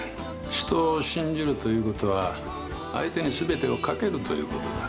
人を信じるということは相手に全てをかけるということだ。